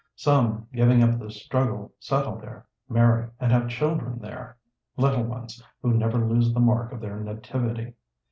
Some, giving up the struggle, settle there, marry, and have children there; little ones who never lose the mark of their nativity.